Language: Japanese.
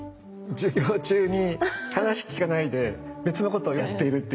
授業中に話聞かないで別のことをやっているという。